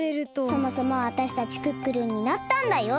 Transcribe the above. そもそもあたしたちクックルンになったんだよ？